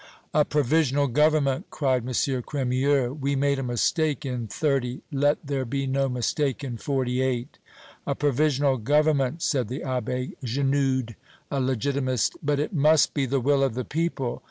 "A provisional government!" cried M. Crémieux. "We made a mistake in '30. Let there be no mistake in '48!" "A provisional government," said the Abbé Genoude, a Legitimist; "but it must be the will of the people!"